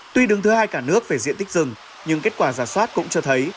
tuy đứng thứ hai cả nước về diện tích rừng nhưng kết quả giả soát cũng cho thấy